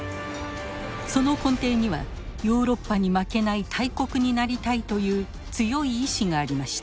その根底にはヨーロッパに負けない大国になりたいという強い意志がありました。